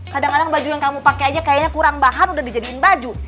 kadang kadang baju yang kamu pakai aja kayaknya kurang bahan udah dijadikan baju